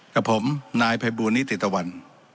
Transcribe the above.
กับผมนายภัยบูรณิติตะวัน